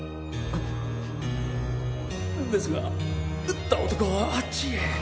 ですが撃った男はあっちへ。